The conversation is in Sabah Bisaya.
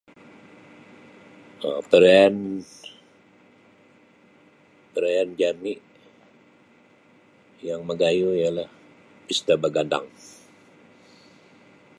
um Perayaan perayaan jami yang magayuh ialah pesta bagandang.